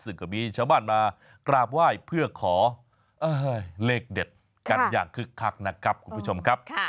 ซึ่งก็มีชาวบ้านมากราบไหว้เพื่อขอเลขเด็ดกันอย่างคึกคักนะครับ